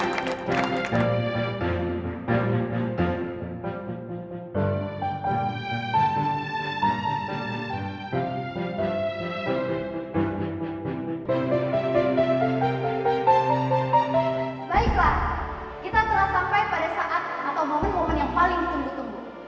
baiklah kita telah sampai pada saat atau momen momen yang paling ditunggu tunggu